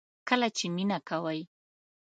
کله چې مینه کوئ